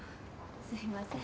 すいません。